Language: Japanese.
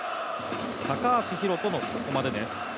高橋宏斗のここまでです。